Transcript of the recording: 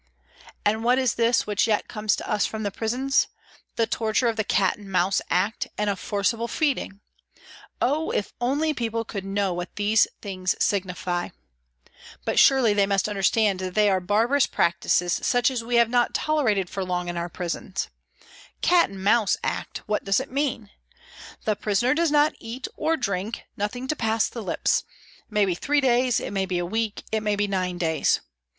And what is this which yet comes to us from the prisons ? The torture of the " Cat and Mouse " Act and of forcible feeding ! Oh ! if only people could know what these things signify ! But surely they must understand that they are barbarous practices such as we have not tolerated for long in our prisons. " Cat and Mouse " Act what does it mean ? The prisoner does not eat or drink, nothing to pass the lips; it may be three days, it may be a week, it may be nine days.